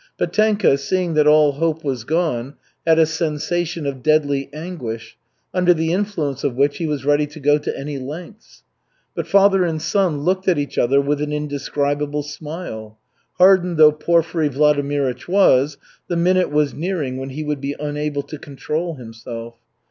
Petenka, seeing that all hope was gone, had a sensation of deadly anguish, under the influence of which he was ready to go to any lengths. But father and son looked at each other with an indescribable smile. Hardened though Porfiry Vladimirych was, the minute was nearing when he would be unable to control himself.